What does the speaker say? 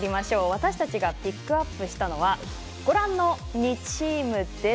私たちがピックアップしたのはご覧の２チームです。